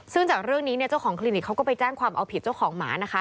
ซึ่งจากเรื่องนี้เนี่ยเจ้าของคลินิกเขาก็ไปแจ้งความเอาผิดเจ้าของหมานะคะ